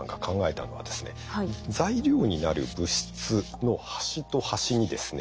材料になる物質の端と端にですね